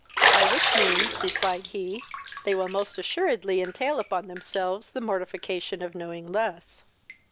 "By which means, (replied he,) they will most assuredly entail upon themselves the mortification of knowing less."